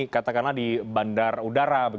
katakanlah di bandar udara